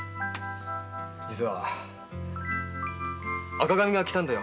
実は赤紙が来たんだよ